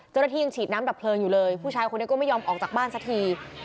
เจ้าหน้าที่ยังฉีดน้ำดับเพลิงอยู่เลยผู้ชายคนนี้ก็ไม่ยอมออกจากบ้านสักที